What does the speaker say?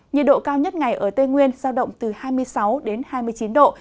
nhiệt độ cao nhất ngày ở tây nguyên giao động từ hai mươi sáu đến hai mươi chín độ